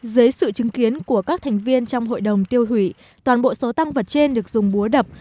dưới sự chứng kiến của các thành viên trong hội đồng tiêu hủy toàn bộ số tăng vật trên được dùng búa đập